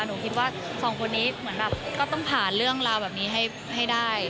หนูคิดว่าสองคนนี้เหมือนแบบก็ต้องผ่านเรื่องราวแบบนี้ให้ได้